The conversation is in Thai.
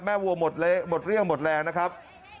แม่วัวหมดเรี่ยงหมดแรงนะครับ